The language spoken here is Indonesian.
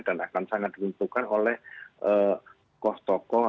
dan akan sangat diuntungkan oleh kos tokoh